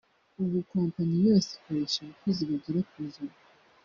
ubu Kompanyi yose ikoresha abakozi bagera ku ijana